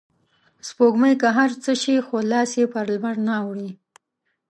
سپوږمۍ که هر څه شي خو لاس یې په لمرنه اوړي